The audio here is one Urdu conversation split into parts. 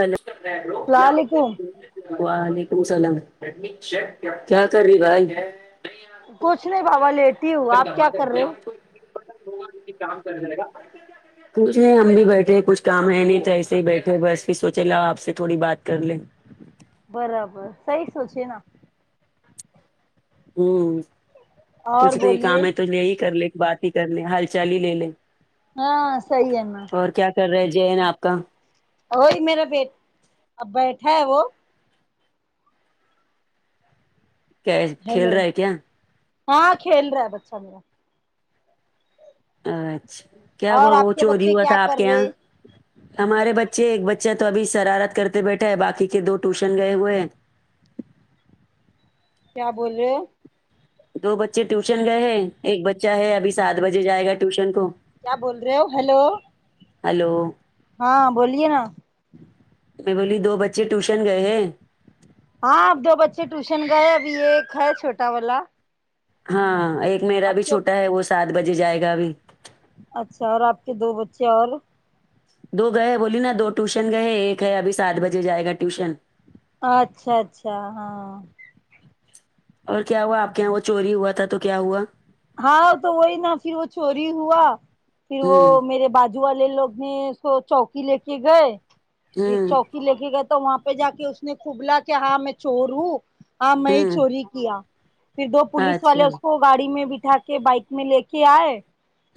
ہو السلام علیکم [unintelligible] وعلیکم سلام کیا کر رہی بھائی کچھ نہیں باوا لیٹی ہو آپ کیا کر رہے ہو تھ [unintelligible] کام کر جائے گا کچھ نہیں ہم بھی بیٹھے ہیں کچھ کام ہے نہیں تو ایسے ہی بیٹھے بس پھر سوچے لا آپ سے تھوڑی بات کر لیں برابر صحیح سوچے نا ہوں اور کچھ نہیں بولیے کام ہے تو یہی کر لے بات ہی کر لے ہال چال ہی لے لے ہاں صحیح ہے مع اور کیا کر رہے ہیں جین آپ کا اوئے میرا بیٹ اب بیٹھا ہے وہ کیا کھیل ہیلو رہا ہے کیا ہاں کھیل رہا ہے بچہ میرا اچھا کیا ہوا اور آپ وہ کے چوری بچے ہوا کیا تھا آپ کے کر یہاں رہے ہمارے بچے ایک بچہ تو ابھی شرارت کرتے بیٹھا ہے باقی کے دو ٹیوشن گئے ہوئے ہیں کیا بولو دو بچے ٹیوشن گئے ہیں ایک بچہ ہے ابھی سات بجے جائے گا ٹیوشن کو کیا بول رہے ہو ہیلو ہلو ہاں بولیے نا میں بولی دو بچے ٹیوشن گئے ہیں ہاں اب دو بچے ٹیوشن گئے ابھی ایک ہے چھوٹا والا ہاں ایک میرا آپ بھی کے چھوٹا ہے وہ سات بجے جائے گا ابھی اچھا اور آپ کے دو بچے اور دو گئے بولی نا دو ٹیوشن گئے ایک ہے ابھی سات بجے جائے گا ٹیوشن اچھا اچھا ہاں اور کیا ہوا آپ کے یہاں وہ چوری ہوا تھا تو کیا ہوا ہاں تو وہی نا پھر وہ چوری ہوا پھر وہ ہوں میرے بعد والے لوگ نے اس کو چوکی لے کے گئے ہوں چوکی لے کے گیے تو وہاں پہ جا کے اس نے کوبلا کہ ہاں میں چور ہوں ہاں میں ہی ہوں چوری کیا پھر دو پولیس والے اچھا اس ہوں کو گاڑی میں بھی اٹھا کے بائک میں لے کے آئے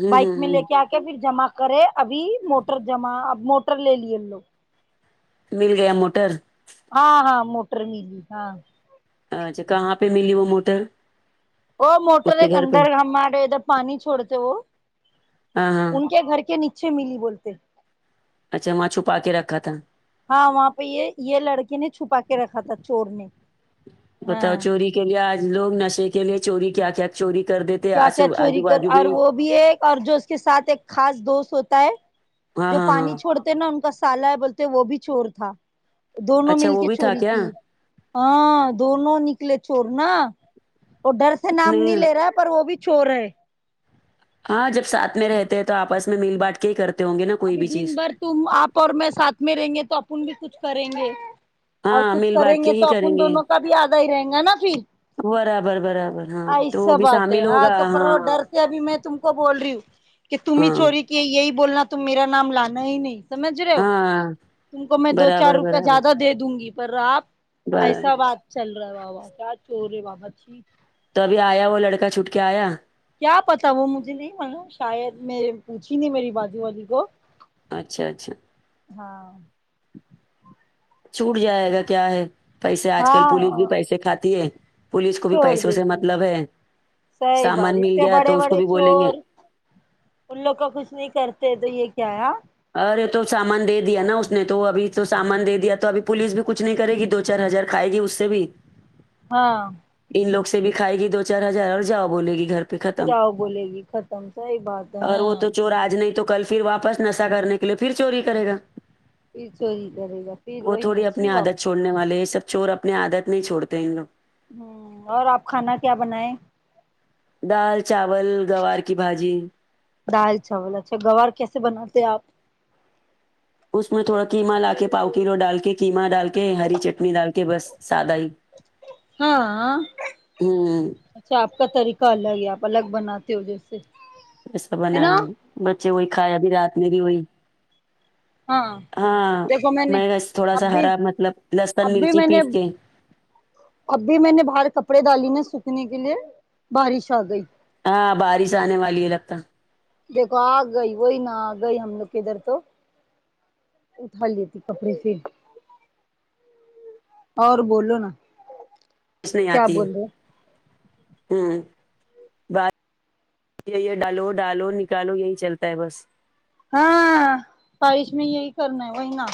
ہوں بائک میں لے ہوں کے آ کہ پھر جمع کرے ابھی موٹر جمع اب موٹر لے لیے ہم لوگ مل گیا موٹر ہاں ہاں موٹر ملی ہاں اچھا کہاں پہ ملی وہ موٹر وہ اس موٹر کے ایک گھر پہ اندر ہمارہے ادھر پانی چھڑتے وہ ہاں ہاں ان کے گھر کے نیچے ملی بولتے اچھا وہاں چھپا کے رکھا تھا ہاں وہاں پہ یہ یہ لڑکے نے چھپا کے رکھا تھا چور نے بتاؤ ہاں چوری کے لیے آج لوگ نشے کے لیے چوری کیا کیا چوری کر دیتے کیا کیا آسو چوری آجو کر باجو میں اور ہی وہ بھی ایک اور جو اس کے ساتھ ایک خاص دوست ہوتا ہے ہاں جو ہاں ہاں پانی چھوڑ نا ان کا سالا ہے بولتے وہ بھی چور تھا دونوں اچھا مل وہ کے بھی تھا چوری کیا کی ہاں دونوں نکلے چور نا اور ڈر سے نام نہیں لے رہا پر وہ بھی چور ہے ہاں جب ساتھ میں رہتے تو آپس میں میل باٹ کے کرتے ہوں گے نا کوئی ابھی بھی دن چیز بھر تم اپ اور میں ساتھ میں رہیں گے تو اپن بھی کچھ کریں گے اور ہاں کچھ مل کریں بانٹ کے گے ہی تو کریں اپن گے دونوں کا بھی آدھا ہی رہیں گا نا پھر برابر برابر ہاں تو وہ ایسا بھی بات ہے شامل ہاں ہوگا تو پر وہ ڈر سے ابھی میں تم کو بول رہی ہوں کہ تم ہی ہاں چوری کئے یہی بولنا تم میرا نام لانا ہی نہیں سمجھ رہے ہو ہاں تم کو میں دو چار برابر روپئے برابر زیادہ دے دوں گی پر آپ برابر ایسا بات چل رہا ہے بابا کیا چور ہے بابا چھی تو ابھی آیا وہ لڑکا چھوٹ کے آیا کیا پتا وہ مجھے نہیں مانا شاید میں پوچھی نہیں میری بازو والی کو اچھا اچھا ہاں چھوٹ جائے گا کیا ہے پیسے آج کل پولیس بھی ہاں پیسے کھاتی ہے پولس کو بھی چھوڑ پیسوں سے دیتی مطلب ہے صحیح بات سامان مل اتنے گیا بڑے تو اس کو بڑے بھی بولیں گے چور ان لوگ کا کچھ نہیں کرتے تو یہ کیا ہے ہاں ارے تو سامان دے دیا نا اس نے تو ابھی تو سامان دے دیا تو ابھی پولیس بھی کچھ نہیں کرے گی دو چار ہزار کھائے گی اس سے بھی ہاں ان لوگ سے بھی کھائے گی دو چار ہزار اور جاؤ بولے گی گھر ختم جاؤ بولے گی ختم صحیح بات ہے اور وہ ہاں تو چور آج نہیں تو کل پھر واپس نشا کرنے کے لیے پھر چوری کرے گا پھر چوری کرے گا پھر وہ وہی نا تھوڑی اپنی چھی بابا عادت چھوڑنے والے یہ سب چور اپنی عادت نہیں چھوڑتے ان لوگ ہوں اور آپ کھانا کیا بنائےیں دال چاول گوار کی بھاجی دال چاول اچھا گوار کیسے بناتے ہیں آپ اس میں تھوڑا قیما لا کے پاؤ کلو ڈال کے قیما ڈال کے ہری چٹنی ڈال کے بس سادہ ہی ہاں ہوں اچھا آپ کا طریقہ الگ ہے آپ الگ بناتے ہو جیسے ایسا بنایا نا بچے وہی کھائے ابھی رات میں بھی وہی ہاں ہاں دیکھو نے میں رس تھوڑا اب سا بھی ہرا مطلب لسن مرچی پیس کے ابھی میں نے باہر کپڑے ڈالی ن سوکھنے کے لیے بارش آ گئی ہاں بارش آنے والی ہے لگتا دیکھو آ گئی وہی نہ آ گئی ہم لوگ کے ادھر تو اٹھا لیٹی کپڑے پھر اور بولو نا پوچ نہیں کیا آتی بول رہے ہوں بات ڈالو ڈالو نکالو یہی چلتا ہے بس ہاں بارش میں یہی کرنا ہے وہی نا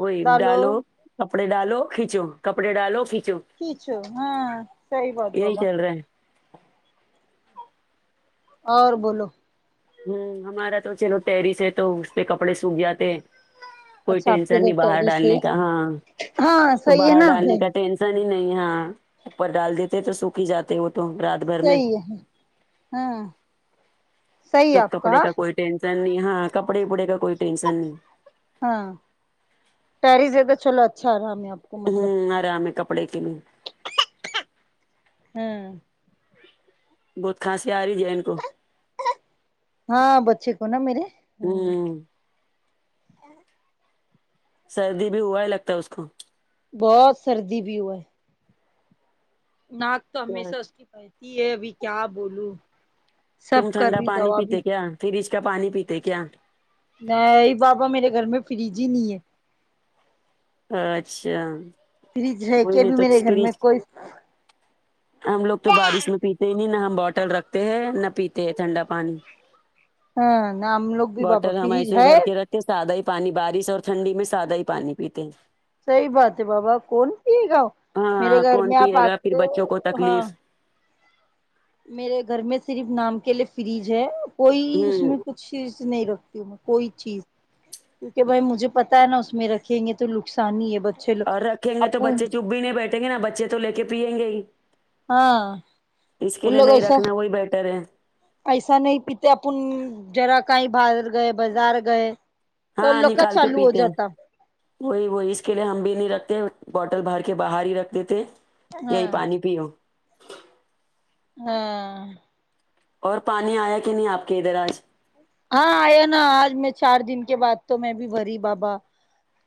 وہی ڈالو کپڑے ڈالو کھیچو کپڑے ڈالو کھیچو کھیچو ہاں صحیح بات بولا چل رہا ہے اور بولو ہوں ہمارا تو چلو ٹیرس ہے تو اس پہ کپڑے سوکھ جاتے ہیں کوئی اچھا آپ کے ٹینشن ادھر نہیں باہر ٹیرس ہے ڈالنے کا ہاں ہاں تو صحیح ہے باہر نا ڈالنے کا ٹینش سنی نہیں ہاں اوپر ڈال دیتے تو سوکھ ہی جاتے وہ تو رات بھر میں صحیح ہے ہاں صحیح تو ہے آپ کپڑے کا کوئی ٹینشن نہیں ہاں کپڑے اپڑے کا کوئی ٹینشن نہیں ہاں پیرس د تو چلو اچھا آ رہا آپ کو ہوں آرام ہے کپڑے کے لیے ہوں بہت کھانسی آ رہی جین کو ہاں بچے کو نا میرے ہمم ہوں سردی بھی ہوا ہے لگتا اس کو بہت سردی بھی ہوا ناک تو ہمیشہ اس کی بہتتی ہے ابھی کیا بولوں سب تم ٹھنڈا کرری پانی دوا بھی پیتے کیا فریج کا پانی پیتے کیا نہیں بابا میرے گھر میں فریج ہی نہیں ہے اچھا فریج رہے کوئی کہ نہیں بھی تو میرے گھر میں فریج کوئی ہم لوگ تو بارش میں پیتے ہی نہیں نہ ہم بوٹل رکھ تے ہے نہ پیتے ہے ٹھنڈا پانی ہاں نہ ہم لوگ بھی بابا بوٹل ہم فریج ایسے ہی ہے بھر رکھتے کے سادہ ہی پانی بارش اور ٹھنڈی میں سادہ ہی پانی پیتے ہیں صحیح بات ہے بابا کون پیے گا ہو میرے ہاں گھر کون میں آپ پیے گا پھر آتے بچوں کو ہاں تکلیف میرے گھر میں صرف نام کے لیے فریج ہے کوئی اس ہوں میں کچھ چیز نہیں رکھتی ہوں میں کوئی چیز کیونکہ بھائی مجھے پتا ہے نا اس میں رکھیں گے تو نقصان ہی ہے بچے لوگ اور رکھیں گے تو اپن بچے چپ بھی نہیں بیٹھیں گے نا بچے تو لے کے پیئیں گے ہی ہاں اس کے ان لیے لوگ نہیں ایسا رکھنا وہی بیٹر ہے ایسا نہیں پیتے اپن جرا کہیں باہر گئے بازار گئے تو ان ہاں لوگ کا نکال کے چالو ہو پیتے ہیں جاتا وہی وہی اس کے لیے ہم بھی نہیں رکھتے بوٹل بھر کے باہر ہی رکھ دے دیتے ہاں یہی پانی پیو ہاں اور پانی آیا کہ نہیں آپ کے ادھر آج ہاں آیا نا آج میں چار دن کے بعد تو میں بھی بھری بابا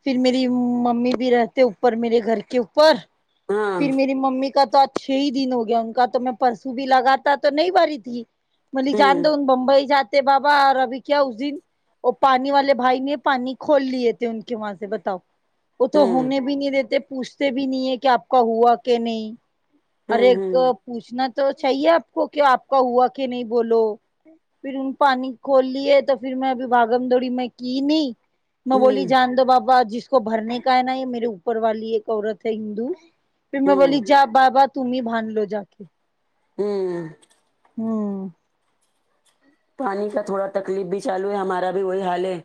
پھر میری ممی بھی رہتے اوپر میرے گھر کے اوپر ہاں پھر میری ممی کا تو ا چھ ہی دن ہو گیا ان کا تو میں پرسوں بھی لگاتا تو نہیں بھری تھی ملی جان ہوں دن بمبئی جاتے بابا اور ابھی کیا اس دن اور پانی والے بھائی نے پانی کھول لیے تھے ان کے وہاں سے بتاؤ وہ تو ہوں ہونے بھی نہیں دیتے پوچھتے بھی نہیں ہے کہ آپ کا ہوا کہ نہیں ہوں ہر ایک کو ہوں اب پوچھنا تو چاہیے آپ کو کہ آپ کا ہوا کہ نہیں بولو پھر ان پانی کھول لیے تو پھر میں ابھی بھاگم دوڑی میں کی نہیں میں بولی ہوں جان دو بابا جس کو بھرنے کا ہے نا یہ میرے اوپر والی ایک عورت ہے ہندو پھر میں بولی ہوں جا بابا تممی بھان لو جاکے کے ہوں پانی کا تھوڑا تکلیف بھی چالو ہے ہمارا بھی وہی حال ہے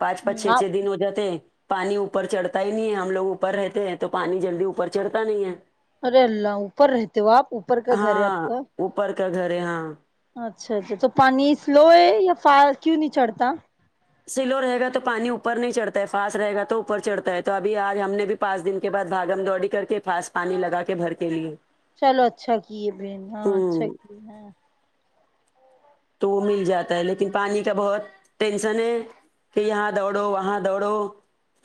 پانچ پانچ چھ چھ آپ دن ہو جاتے ہیں پانی اوپر چڑھتا ہی نہیں ہے ہم لوگ اوپر رہتے ہیں تو پانی جلدی اوپر چڑھتا نہیں ہے ارے اللہ اوپر رہتے ہو آپ اوپر کا گھر ہے آپ ہاں کا اوپر کا گھر ہے ہاں اچھا اچھا تو پانی سلو ہے یا ف کیوں نہیں چڑھتا سلو رہے گا تو پانی اوپر نہیں چڑھتا ہے فاسٹ رہے گا تو اوپر چڑھتا ہے تو ابھی آج ہم نے بھی پانچ دن کے بعد بھاگم دوڑی کر کے فسٹ پانی لگا کے بھر کے لیے چلو اچھا کیے بہن ہاں اچھا ہوں کیے ہیں تو وہ مل جاتا ہے لیکن پانی کا بہت ٹینشن ہے کہ یہاں دوڑو وہاں دوڑو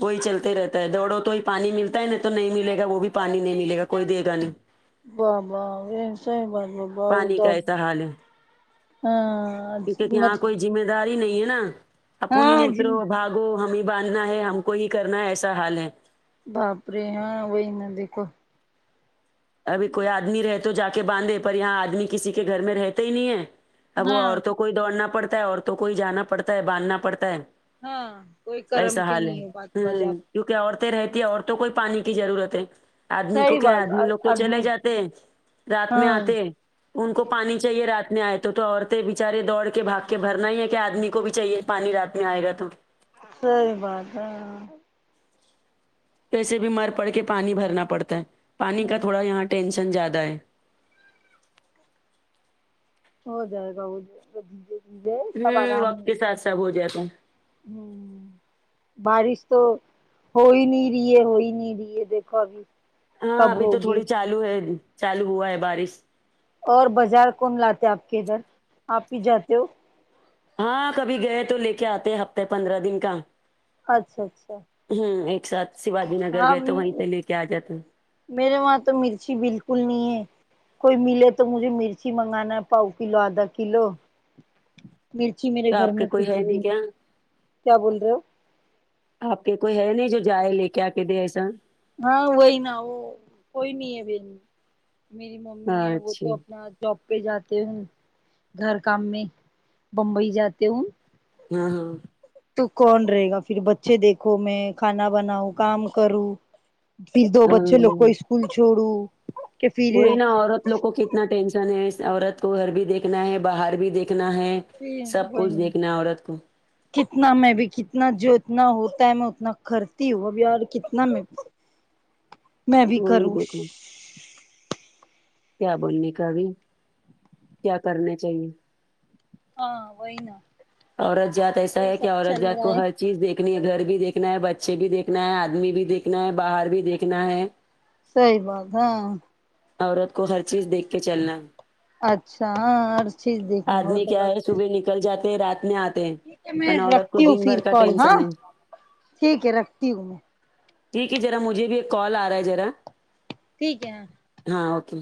وہی چلتے رہتا ہے دوڑو تو ہی پانی ملتا ہے ن تو نہیں ملے گا وہ بھی پانی نہیں ملے گا کوئی دے گا نہیں واہ واہ یہ صحیح بات بولی [unintelligible] بہ پانی د کا ایسا حال ہے ہاں کیونکہ یہاں مطب کوئی ذمہ داری نہیں ہے نا اپنی نہیں جی اترو بھاگو ہمیں باندھنا ہے ہم کو ہی کرنا ہے ایسا حال ہے باپرے ہاں وہی نہ دیکھو ابھی کوئی آدمی رہ تو جا کے باندھے پر یہاں آدمی کسی کے گھر میں رہتا ہی نہیں ہے اب وہ ہاں عورتوں کوئی دوڑنا پڑتا ہے عورتوں کوئی جانا پڑتا ہے باندھنا پڑتا ہے ہاں کوئی کرم ایسا کے حال نہیں ہے بازو والے ہوں آپ کیونکہ عورتیں رہتی ہے عورتوں کو ہی پانی کی ضرورت ہے آدمی کو صحیح کیا ہے بات آدمی لوگ تو آدمی چلے جاتے رات میں ہاں آتے ان کو پانی چاہیے رات میں آئے تو عورتیں بچارے دوڑ کے بھاگ کے بھرنا ہی ہے کہ آدمی کو بھی چاہیے پانی رات میں آئے گا تو صحیح بات ہاں پھرسے بیمار پڑ کے پانی بھرنا پڑتا ہے پانی کا ہوں تھوڑا یہاں ٹینشن زیادہ ہے ہو جائے گا وہ [unintelligible] ہوں وقت کے ساتھ سب ہو جاتا ہ ہوں بارش تو ہو نہیں رہی ہے ہوئی نہیں رہی ہے دیکھو ابھی ہاں کب ابھی تو ہوگی تھوڑی چالو ہے چالو ہوا ہے بارش اور بازار کون لاتے آپ کے ادھر آپ ہی جاتے ہو ہاں کبھی گئے تو لے کے آتے ہفتے پندرہ دن کا اچھا اچھا ہوں ایک ساتھ شیواجی نگر ہاں گئے تو وہیں سے لے کے آ جاتا ہے میرے وہاں تو مرچی بالکل نہیں ہے کوئی ملے تو مجھے مرچی منگانا ہے پاؤ کلو آدھا کلو مرچی میرے تو گھر آپ کے میں کوئی کچھ ہے بی نہیں کیا کیا بول رہے ہو آپ کے کوئی ہے نہیں جو جائے لے کے آ کے دے ایسا ہاں وہی نہ وہ کوئی نہیں ہے میری ممی ہے وہ تو اچھا اپنا جاب پہ جاتے ہوں گھر کام میں بمبئی جاتے ہوں ہاں ہاں تو کون رہے گا پھر بچے دیکھو میں کھانا بناؤ کام کروں پھر دو بچے لگ کو ہاں اسکول چھوڑو وہی نا عورت لوگ کو کتنا ٹینشن ہے عورت کو گھر بھی دیکھنا ہے باہر بھی دیکھنا ہے سب کچھ دیکھنا عورت کو کتنا میں بھی کتنا جو اتنا ہوتا ہے میں اتنا کرتی ہوں اب اور کتنا میں میں بھی وہی کروں دیکھو کیا بولنے کابھی کیا کرنے چاہیے ہاں وہی نا عورت زات ایسا وہی ہے سب کہ عورت چل زات کو رہا ہے ہر چیز دیکھنی ہے گھر بھی دیکھنا ہے بچے بھی دیکھنا ہے آدمی بھی دیکھنا ہے باہر بھی دیکھنا ہے صحیح بات ہاں عورت کو ہر چیز دیکھ کے چلنا اچھا ہاں ہر چیز دیکھنا اور آدمی تو کیا بات ہے صحیح صبح نکل جاتے ہیں رات میں آتے ٹھیک ہے میں عورت کو رکھتی ہوں دن بھر پھر کا کال ہاں ٹینشن ہے ٹھیک ہے رکھتی ہوں میں ٹھیک ہے ذرا مجھے بھی ایک کال آ رہا ہے ذرا ٹھیک ہے ہاں اوکے